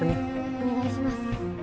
お願いします。